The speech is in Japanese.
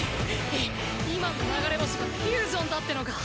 い今の流れ星がフュージョンだってのか？